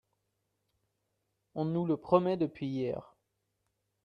On nous le promet depuis hier